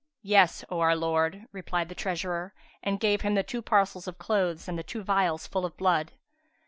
"Yes, O our lord," replied the treasurer and gave him the two parcels of clothes and the two vials full of blood.